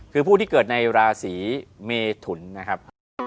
คือผู้ที่เกิดในราศีเมทุนนะครับ